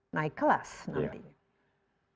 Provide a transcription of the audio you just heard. naik kelas nantinya